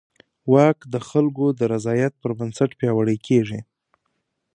واک د خلکو د رضایت پر بنسټ پیاوړی کېږي.